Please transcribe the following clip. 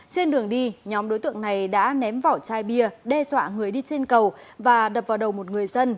trên đường đi nhóm đối tượng này đã ném vỏ chai bia đe dọa người đi trên cầu và đập vào đầu một người dân